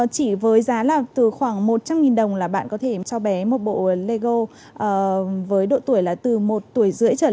chỉ với giá là từ khoảng một trăm linh đồng là bạn có thể cho bé một bộ telego với độ tuổi là từ một tuổi rưỡi trở lên